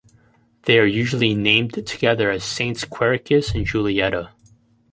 They are usually named together as "Saints Quiricus and Julietta".